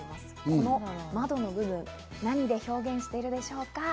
この窓の部分、何で表現しているでしょうか？